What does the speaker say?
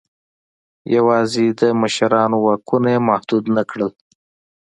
یوازې د مشرانو واکونه یې محدود نه کړل.